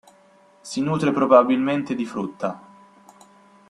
Si nutre probabilmente di frutta.